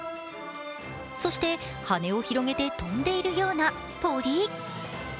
そして羽を広げて飛んでいるような鳥。